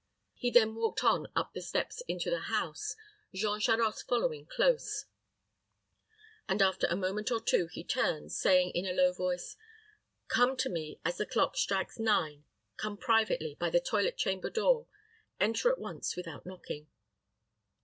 He then walked on up the steps into the house, Jean Charost following close; and after a moment or two, he turned, saying in a low voice, "Come to me as the clock strikes nine come privately by the toilet chamber door. Enter at once, without knocking."